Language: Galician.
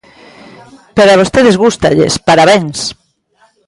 Pero a vostedes gústalles, ¡parabéns!